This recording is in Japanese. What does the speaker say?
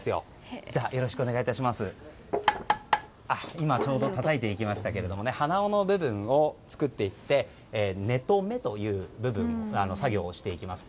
今、ちょうどたたいてきましたが鼻緒の部分を作っていって根留めという作業をしていきます。